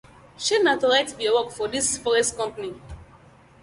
Shey na to write bi yur work for dis forest company.